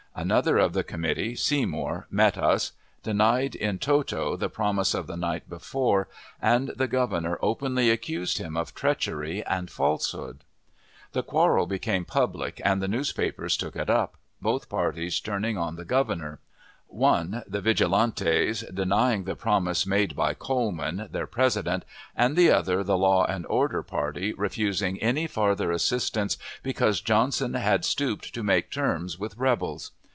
Another of the committee, Seymour, met us, denied in toto the promise of the night before, and the Governor openly accused him of treachery and falsehood. The quarrel became public, and the newspapers took it up, both parties turning on the Governor; one, the Vigilantes, denying the promise made by Coleman, their president; and the other, the "Law and Order party," refusing any farther assistance, because Johnson had stooped to make terms with rebels.